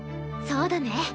そうだね。